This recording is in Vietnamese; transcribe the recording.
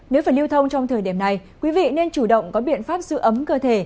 nếu phải lưu thông trong thời điểm này quý vị nên chủ động có biện pháp giữ ấm cơ thể